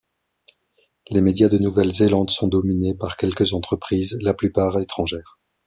Les médias de Nouvelle-Zélande sont dominés par quelques entreprises, la plupart étrangères.